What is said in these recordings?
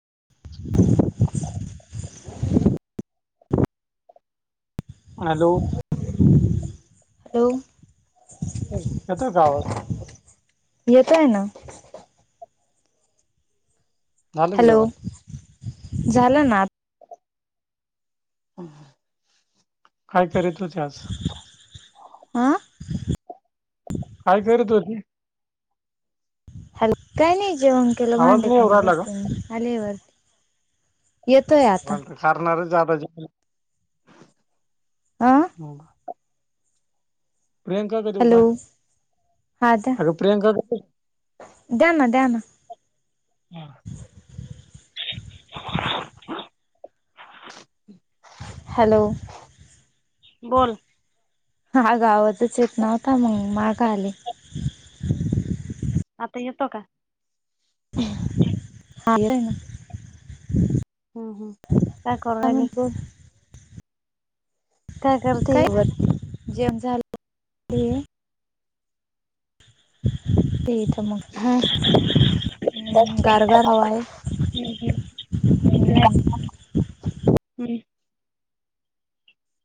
[unintelligible] Hello. Hello येतोय का आवाज येतय ना. झालं की हॅलो जेवण झालं ना. काय करत हो ते आज हं. काय करत होते. हलका नाही जेवण केलं आवाज नाही येऊ मांडेकुंडे राहिला बसत म आलेवररती येतो आहे आता खारणार जा अ ज. प्रियंका क देऊ हॅलो का अग प्रियंका क दध्याना द्याना. हम. [unintelligible] हॅलो. बोल. हा गावतचेेत नव्हता मग माग आली. आता यतो का? ह ना. हम्म हम्म काय करु राहिली काय वर जेम झालं [unintelligible] तेच मग हा हम्म गारगार हवाय हम्म हम्म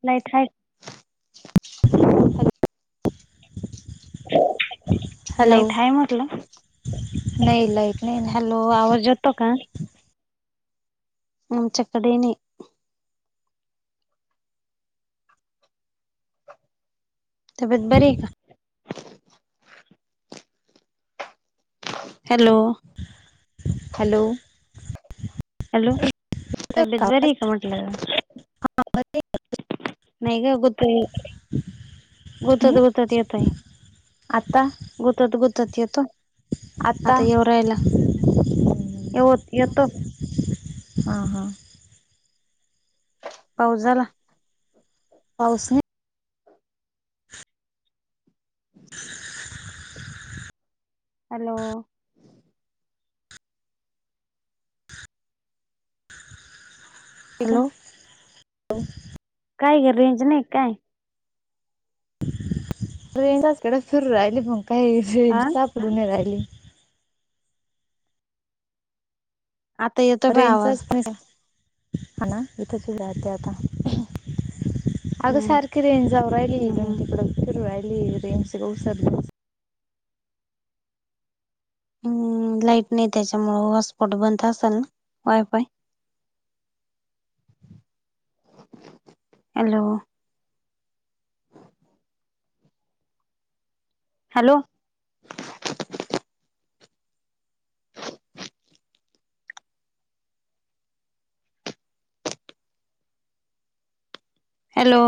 नाहीत हायत हॅलो लाईट आहे म्हटलं नाही लाईट नाही ना हॅलो आवाजज येतो का? आमच्याकडे नाही. तब्येत बरीये का? हॅलो हॅलो हॅलो येतोय तब्येत आवाज बरीये का म्हट [unintelligible] नाही ग गूतई हम्म गुतत गुतत येतय आता गुतत गुतत येतो आता येऊ राहिलाय. येओत येतो हा हा पाऊस झाला. पाऊस हाय [inaudible] हॅलो ठीक हॅलो काय ग रेंज नाही काय? रेंज असकाडत फिरू राहिली मग काही रेंज हा सापडू नाही राहिली. आता येतो बा आवाज रेंजचाच फायदा हा ना इथंच उभारते आता अगं हम्म सारखी रेंज जाऊ राहिली इकडून हम्म तिकड फिरू राहिली रेंज उसर हम् लाईट नाही त्याच्यामुळ वॉटस्पॉट बंद असल वायफाय हॅलो हॅलो हॅलो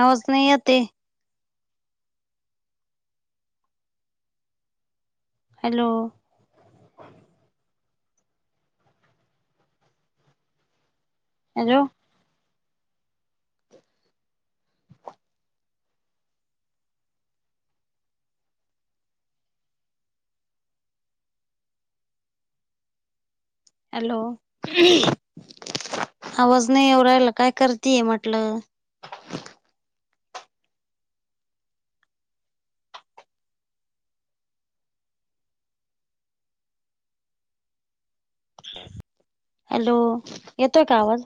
आवाज नाही येते. हॅलो हॅलो हॅलो आवाज नाही येऊ राहिला काय करतीये म्हटलं. हॅलो येतोय का आवाज?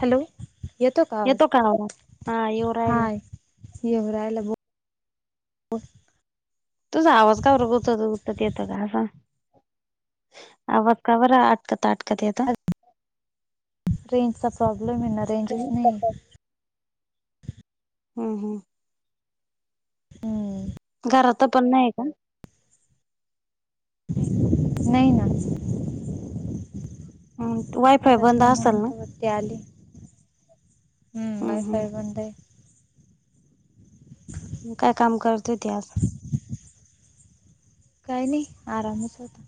हॅलो येतो का आवाज हाय येऊ राहिला बो तुझ आवाज का बर गुतत गुतत येत का असं आवाज का बर त ताटकत येतो. रेंजचा प्रॉब्लेम आहे ना रेंजच नाही हम् हम् हम्म घरात पण नाही का? नाही ना वायफाय घरात बंद नाही असेल म्हणून ना? तर वरती आली. हम्म वायफाय बंदय. म काय काम करतेती आज काय नाही आरामच होता.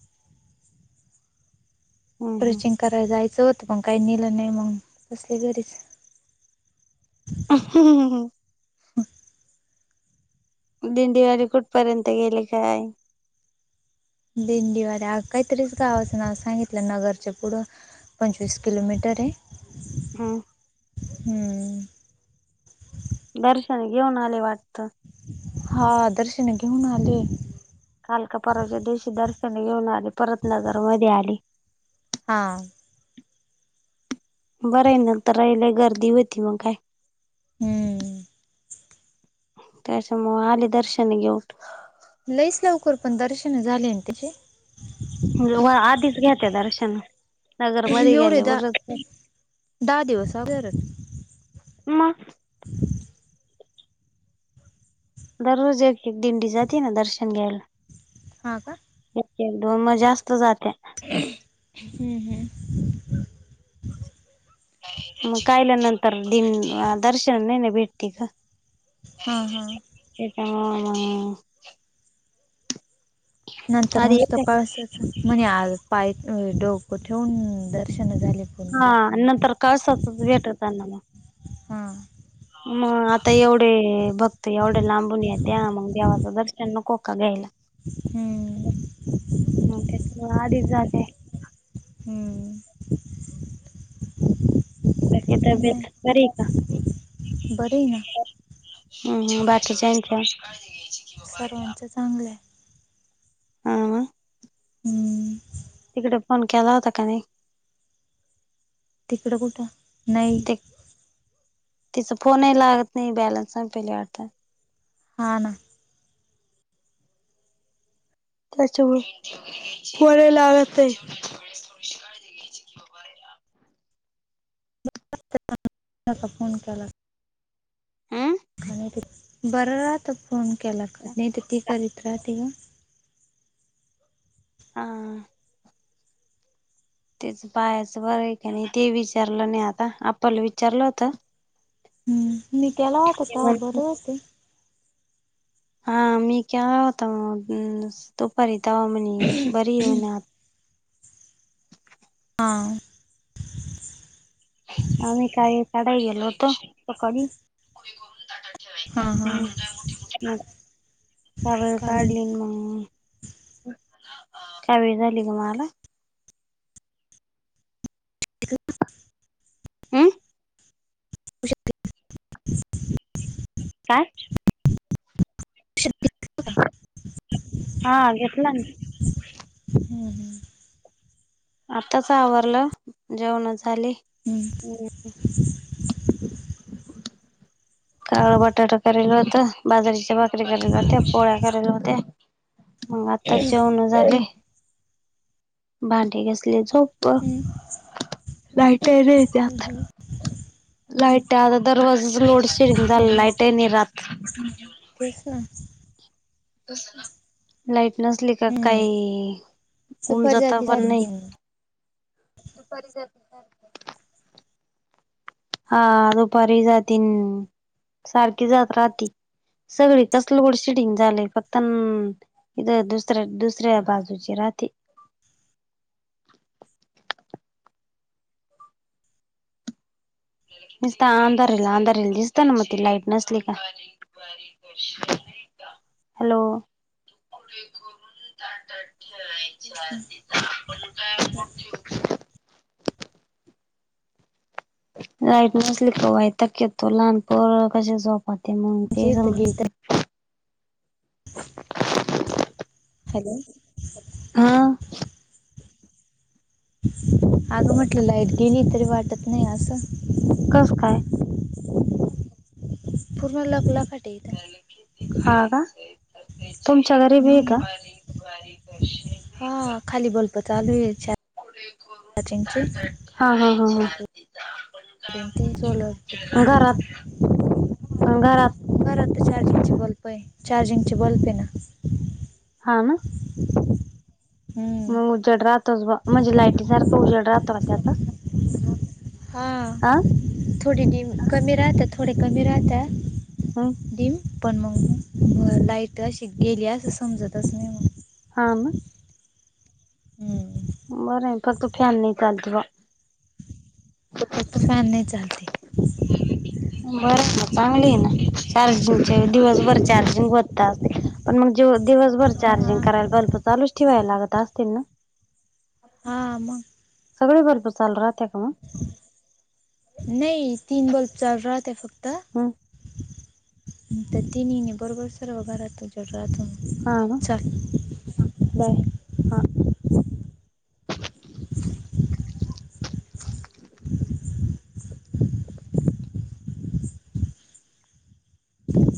हम्म ट्रिचिंग करायला जायचं होतं पण काय नेलं नाय मंग बसले घरीच [unintelligible] दिंडीवारी कुठपर्यंत गेली काय दिंडीवारी आग कायतरीच गावाचं नाव सांगितलं नगरच्या पुढं पंचवीस किलोमीटर ये. हुं हुं दर्शन घेऊन आले वाटत. हा दर्शन घेऊन आले. काल का परवाच्या दिवशी दर्शन घेऊन आले परत नगर मध्ये आली. हां बरं आहे नंतर राई लय गर्दी होती मंग काय हम्म त्याच्यामुळ आली दर्शन घेऊन लईच लवकर पण दर्शन झाले न तिचे म्हणलं वया आधीच घेत्या दर्शन नगर मध्ये एवढे दा गेल्यावर उरच काय दहा दिवस अगोदरच म दररोज एक एक दिंडी जाती ना दर्शन घ्यायला. हा का एक एक दोन म जास्त जात्या हम् हम् म कायल्या नंतर दिंन दर्शन नाय न भेटती ग हां हां त्याच्यामुळ मंग नंतर आधी नुसतं येते कळसाच म्हणे आज पाय अ डोकं ठेवून दर्शन झाले. पूर्ण हा नंतर कळसासच भेटत ना म हा म आता एवढे भक्त एवढ्या लांबून येत्या मंग देवाचं दर्शन नको का घ्यायला. हम्म मंग त्याच्यामुळं आधीच झालंय. हुं म ती तब्बेत बरीये का? बरे ना हुं हुं बाकीच्यांच्या सर्वांच्या चांगल्या हाय. आ आ हम्म तिकड फोन केला होता का नाय. तिकड कुठं नाही. तिचां फोनही लागत नाय बॅलन्स संपील्या वाटत. हा ना त्याच्यामुळ फोनही लागत नाही. आता फोन केला हम्म नाहीत बरं राहत फोन केला का नाय त ती करीत राहाते ग हा तेच पायाचं बरं हाय का नाय ते विचारलं नाय आता आप्पा ला विचारलं होत. हम्म मी केला होता तवा म्हण बरे होते. हा मी केला होता मग दुपारी तवा म्हणे बरी ये म्हणे आत हां आम्ही काय काढाय गेलो होतो सकाळी हा हा हम्म म च वेळ चालेल काडली मग च वेळ झाली ग मला हम्म [unintelligible] का? शक्य हां घेतला ना. हम्म हम्म. आताच आवरलं जेवण झाली. ह. काळ बटाटा केला होतं बाजरीच्या बा. वकरी कली होते पोळ्या कयला होते्या मग आता जेवण झाले. भांडे घसले झोप हम्म, लाईट र हम्म, त्यात. लाईट आता दरवाजाच लोड शेडंग झालं लाईट आहेन राात तस ना. लाईट नसली का हम्म काही सुपर उमजात जाती पण नाही. सारखी ना दुपारी ज हा दुपारी जाते सारखी जात राहते. सगळी कस लोड शेडिंग झालंय फक्त इथ दुसरा दुसऱ बाजूची राात. दिसत अंधारल अंधारल्ल दिसत ना म लाईट नसली का? हॅलो. ून ठय आपण तेच ना काय ठ राईट नसली कावायता येत तो लहानपर कश जो हो ते मग ते जी तर सज गेली तर हॅलो. हा. आगं म्हटलं लाईट गेली तरी वाटत नाही असं. कस काय? फर्ण लाप लापाट आहे. हा का तुमच्या घरीबी आहे का? हम्म. हा खाली बोलप चालू आहे. हो. चे हा मु हा ती सलत करची घरात घरात वर आ ते चार्जिंग चचे गल्पय चार्जिंग चचे गल्पेना हा ना. [unintelligible] हम्म. मग उजड राहतोच बा म्हणजे लाईटी सारखं उजड राहतो ना त्याचा हा हा थोडी कमी राहत थोडे कमी राहत. हम्म दिम पण मग लाईट अशी गेली असं समजतच नाहीग. हम. ह. बरं फक्त फॅन नाही चालतेव. फक्त फॅन नाही चालते. बरं ना चांगली आहे ना चार्जिंगच्या दिवसभर हम्म. चार्जिंग बत्ता असेल. पण मग जव दिवसभर चार्जिंग हा करायला बल्ब चालूच ठेवायला लागत असतील ना. हा आम सगळे भरपू चाल राहत्या का मग नाही तीन बल्ब चाल राह ते फक्त हा. तर तीन बरोबरसर वघाहतो जढरातून हा ना च् चल बाय हा